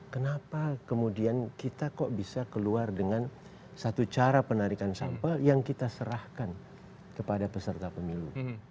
kenapa kemudian kita kok bisa keluar dengan satu cara penarikan sampel yang kita serahkan kepada peserta pemilu